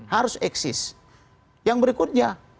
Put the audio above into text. harus eksis yang berikutnya